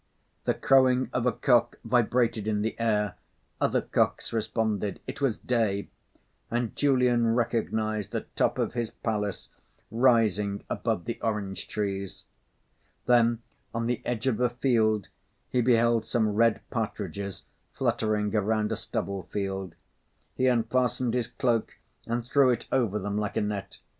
The crowing of a cock vibrated in the air. Other cocks responded; it was day; and Julian recognised the top of his palace rising above the orange trees. Then, on the edge of a field, he beheld some red partridges fluttering around a stubble field. He unfastened his cloak and threw it over them like a net.